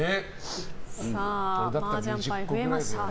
マージャン牌、増えました。